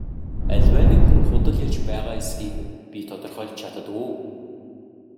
Аливаа нэг хүн худал ярьж байгаа эсэхийг би тодорхойлж чаддаг уу?